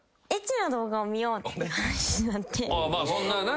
まあそんなな。